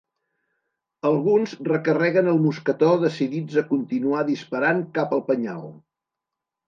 Alguns recarreguen el mosquetó, decidits a continuar disparant cap al penyal.